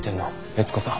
悦子さん。